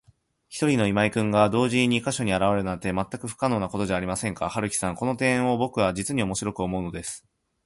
ひとりの今井君が、同時に二ヵ所にあらわれるなんて、まったく不可能なことじゃありませんか。春木さん、この点をぼくは、じつにおもしろく思うのです。